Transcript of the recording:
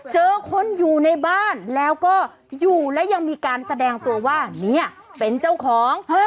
เจอคนอยู่ในบ้านแล้วก็อยู่และยังมีการแสดงตัวว่าเนี่ยเป็นเจ้าของ